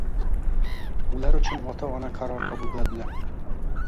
ular uchun ota-ona qaror qabul qiladilar.